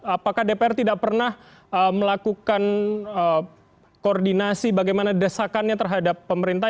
apakah dpr tidak pernah melakukan koordinasi bagaimana desakannya terhadap pemerintah